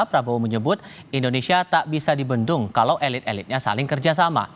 prabowo menyebut indonesia tak bisa dibendung kalau elit elitnya saling kerjasama